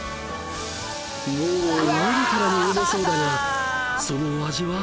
もう見るからにうまそうだがそのお味は？